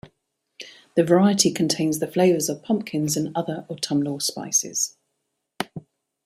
This variety contains the flavors of pumpkins and other autumnal spices.